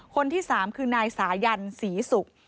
คนที่สามคือนายสายัญศรีสุก